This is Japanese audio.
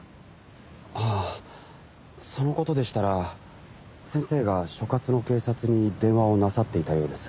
ああその事でしたら先生が所轄の警察に電話をなさっていたようです。